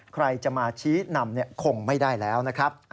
ใครจะมาชี้นำคงไม่ได้แล้วนะครับ